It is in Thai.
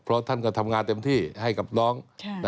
เพราะท่านก็ทำงานเต็มที่ให้กับน้อง